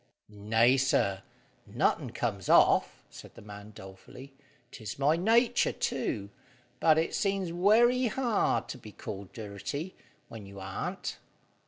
"Nay, sir; nothin' comes off," said the man dolefully. "'Tis my natur too, but it seems werry hard to be called dirty, when you arn't."